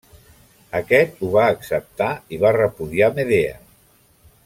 Aquest ho va acceptar i va repudiar Medea.